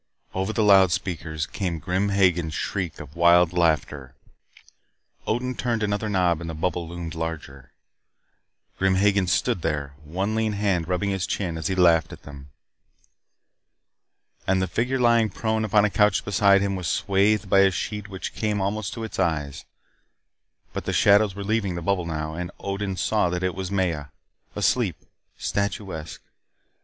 Over the loudspeakers came Grim Hagen's shriek of wild laughter. Odin turned another knob and the bubble loomed larger. Grim Hagen stood there, one lean hand rubbing his chin as he laughed at them. And the figure lying prone upon a couch beside him was swathed by a sheet which came almost to its eyes. But the shadows were leaving the bubble now. And Odin saw that it was Maya. Asleep. Statuesque.